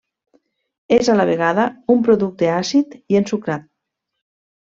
És a la vegada un producte àcid i ensucrat.